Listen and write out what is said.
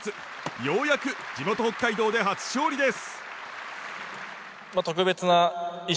ようやく地元・北海道で初勝利です。